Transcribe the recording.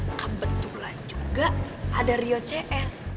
nah kebetulan juga ada rio cs